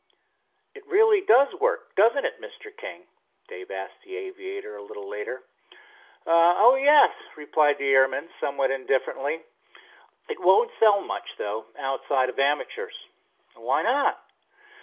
"It really does work, doesn't it, Mr. King?" Dave asked of the aviator a little later. "Oh, yes," replied the airman, somewhat indifferently. "It won't sell much, though, outside of amateurs." "Why not?"